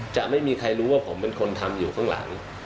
จะไม่มีใครรู้ว่าผมเป็นคนทำอยู่ข้างหลัง